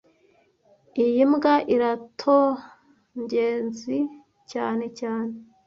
Iyi mbwa iratonngenzia cyane cyane